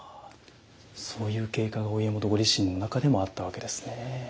そういう経過がお家元ご自身の中でもあったわけですね。